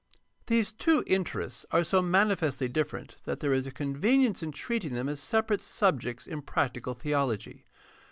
These two interests are so manifestly different that there is a convenience in treating them as separate subjects in prac tical theology.